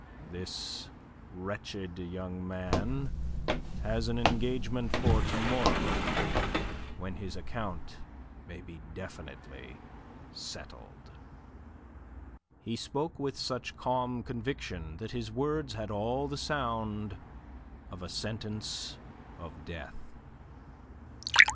This wretched young man has an engagement for to morrow, when his account may be definitely settled." He spoke with such calm conviction that his words had all the sound of a sentence of death.